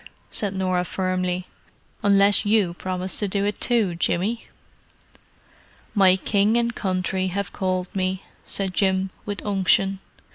said Norah firmly. "Unless you promise to do it too, Jimmy." "My King and Country have called me," said Jim, with unction.